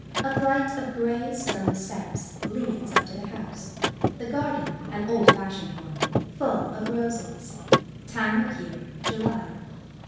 A flight of grey stone steps leads up to the house. The garden, an old fashioned one, full of roses. Time of year, July.